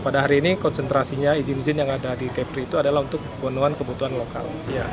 pada hari ini konsentrasinya izin izin yang ada di kepri itu adalah untuk pemenuhan kebutuhan lokal